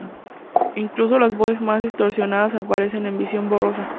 Incluso las voces más distorsionadas aparecen en "Visión borrosa".